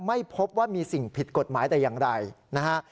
ไม่พบว่ามีสิ่งผิดกฎหมายแต่อย่างใดนะฮะ